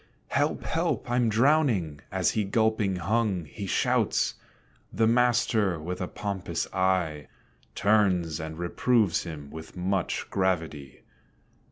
"Help! help! I'm drowning!" as he gulping hung, He shouts. The master, with a pompous eye, Turns and reproves him with much gravity.